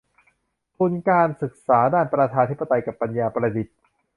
ทุนการศึกษาด้านประชาธิปไตยกับปัญญาประดิษฐ์